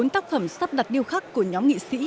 bốn tác phẩm sắp đặt điêu khắc của nhóm nghị sĩ